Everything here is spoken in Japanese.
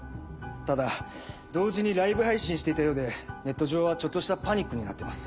ただ同時にライブ配信していたようでネット上はちょっとしたパニックになってます。